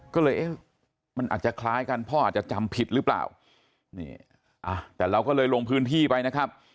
ก็เลยเอ๊ะมันอาจจะคล้ายกันพ่ออาจจะจำผิดหรือเปล่านี่อ่ะแต่เราก็เลยลงพื้นที่ไปนะครับ